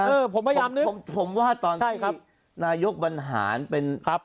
เออผมพยายามนึกผมว่าตอนนี้ครับนายกบรรหารเป็นทัพ